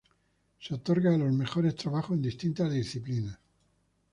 Se otorgan a los mejores trabajos en distintas disciplinas.